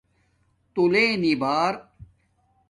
تݸلنی بار